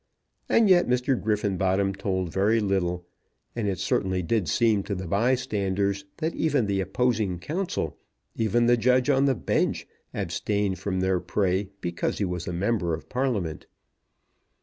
And yet Mr. Griffenbottom told very little; and it certainly did seem to the bystanders, that even the opposing counsel, even the judge on the bench, abstained from their prey because he was a member of Parliament.